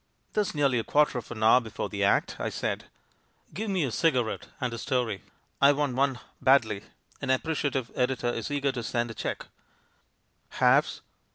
"There's nearly a quarter of an hour before the act," I said. "Give me a cigarette and tlie story — I want one badly; an appreciative editor is eager to send a cheque." "Halves?"